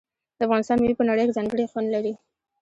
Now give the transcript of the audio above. د افغانستان میوې په نړۍ کې ځانګړی خوند لري.